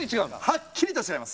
はっきりとちがいます。